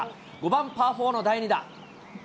５番パー４の第２打。